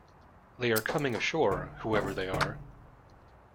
They are coming ashore, whoever they are.